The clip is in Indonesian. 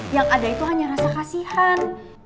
yang ada itu hanya rasa kasihan